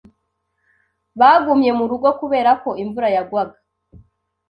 Bagumye mu rugo, kubera ko imvura yagwaga.